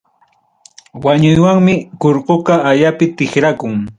Wañuywanmi, kurkuqa ayapi tikrakun.